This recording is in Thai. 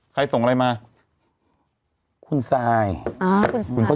ใครส่งอะไรมาคุณสายอ่าคุณสาย